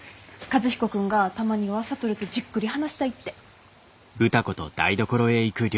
和彦君がたまには智とじっくり話したいって。